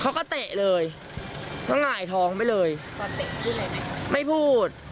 เขาก็เตะเลยเขาหง่ายทองไปเลยพอเตะพูดเลยไหมไม่พูด